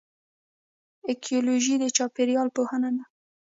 ایکیولوژي د چاپیریال پوهنه ده